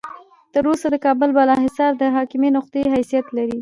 تر اوسه د کابل بالا حصار د حاکمې نقطې حیثیت لري.